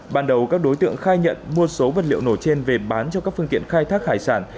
ban đầu các đối tượng khai nhận mua số vật liệu nổ trên về bán cho các phương tiện khai thác hải sản